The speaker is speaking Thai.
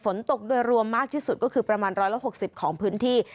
ฝนตกรวมมากที่สุดก็คือประมาณร้อยละหกสิบของพื้นที่